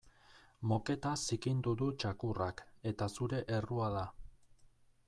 Moketa zikindu du txakurrak eta zure errua da.